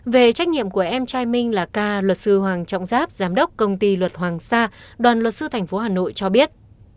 về trách nhiệm của em trai minh là k luật sư hoàng trọng giáp giám đốc công ty luật hoàng sa đoàn luật sư tp hà nội cho biết